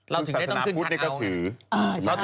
เราถึงได้ต้องขึ้นคัดเอาไง